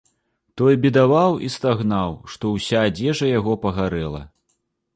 Той бедаваў і стагнаў, што ўся адзежа яго пагарэла.